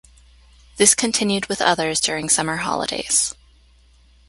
This continued with others during summer holidays.